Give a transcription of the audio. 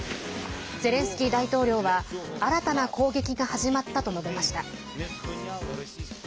ゼレンスキー大統領は新たな攻撃が始まったと述べました。